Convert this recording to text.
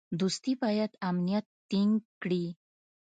دوستي باید امنیت ټینګ کړي.